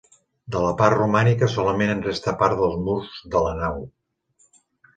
De la part romànica solament en resta part dels murs de la nau.